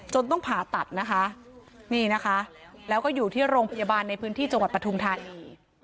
ต้องผ่าตัดนะคะนี่นะคะแล้วก็อยู่ที่โรงพยาบาลในพื้นที่จังหวัดปทุมธานี